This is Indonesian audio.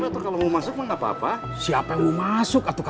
atau kalau mau masuk